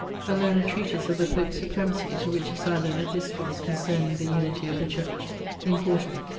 A learned treatise of the Pope's supremacy, to which is added a discourse concerning the unity of the church; in 4to.